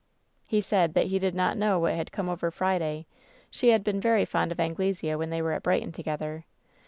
"He said that he did not know what had come over 'Friday.' She had been very fond of Anglesea when they were at Brighton together.